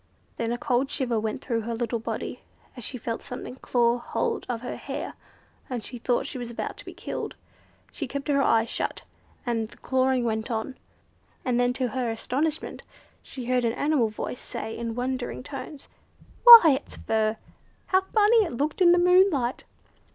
Then a cold shiver went through her little body, as she felt something claw hold of her hair, and she thought she was about to be killed. She kept her eyes shut, and the clawing went on, and then to her astonishment she heard an animal voice say in wondering tones: "Why, it's fur! How funny it looked in the moonlight!"